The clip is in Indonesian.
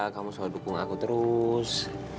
kamu selalu dukung aku terus